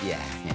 makasih ya pak